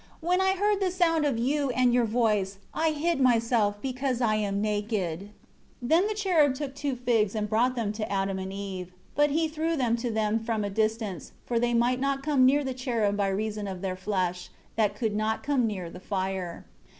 When I heard the sound of You and Your voice, I hid myself, because I am naked." 4 Then the cherub took two figs and brought them to Adam and Eve. But he threw them to them from a distance; for they might not come near the cherub by reason of their flesh, that could not come near the fire.